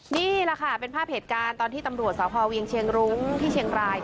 นี่แหละค่ะเป็นภาพเหตุการณ์ตอนที่ตำรวจสพเวียงเชียงรุ้งที่เชียงราย